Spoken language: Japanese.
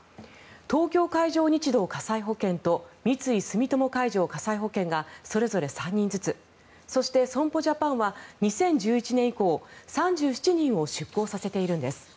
東京海上日動火災保険と三井住友海上火災保険がそれぞれ３人ずつそして損保ジャパンは２０１１年以降３７人を出向させているんです。